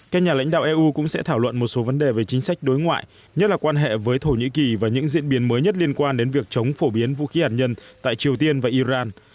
các nhà lãnh đạo eu cũng sẽ thảo luận một số vấn đề về chính sách đối ngoại nhất là quan hệ với thổ nhĩ kỳ và những diễn biến mới nhất liên quan đến việc chống phổ biến vũ khí hạt nhân tại triều tiên và iran